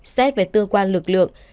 xét về tư quan lực lượng